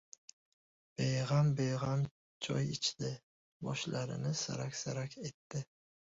Beg‘am-beg‘am choy ichdi. Boshlarini sarak-sarak etdi.